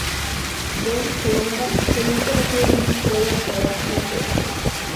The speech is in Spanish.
Dell y Columbo se habían conocido en una prueba para Ziegfeld.